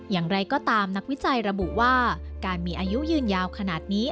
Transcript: อย่างไรก็ตามนักวิจัยระบุว่าการมีอายุยืนยาวขนาดนี้